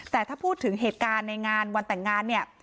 แต่ถ้าพูดถึงเหตุการณ์ในงานวันแต่งงานเนี่ย